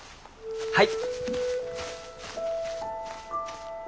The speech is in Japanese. はい！